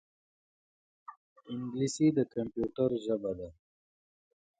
انګلیسي د کمپیوټر ژبه ده